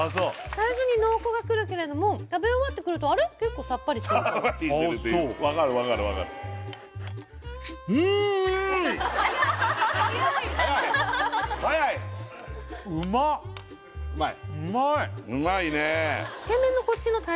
最初に濃厚がくるけれど食べ終わってくるとあれっ結構サッパリしてるかもっていうあっそう分かる分かる分かるはやいうまい？